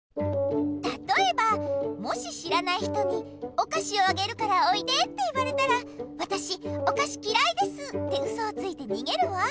たとえばもし知らない人に「おかしをあげるからおいで」って言われたら「わたしおかしきらいです！」ってウソをついてにげるわ。